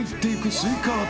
スイカ頭！